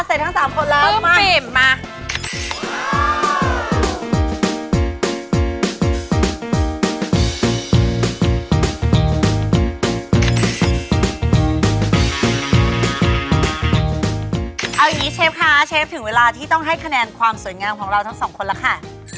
เอาอย่างนี้เชฟคะเชฟถึงเวลาที่ต้องให้คะแนนความสวยงามของเราทั้งสองคนแล้วค่ะ